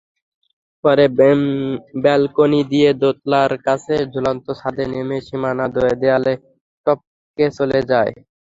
পরে ব্যালকনি দিয়ে দোতলার কাছে ঝুলন্ত ছাদে নেমে সীমানাদেয়াল টপকে চলে যায়।